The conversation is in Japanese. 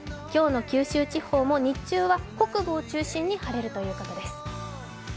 今日の九州地方も日中は北部を中心に晴れるということです。